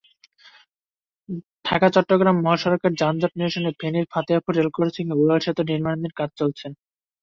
ঢাকা চট্টগ্রাম মহাসড়কে যানজট নিরসনে ফেনীর ফতেহপুর রেলক্রসিংয়ে উড়ালসেতুর নির্মাণকাজ চলছে।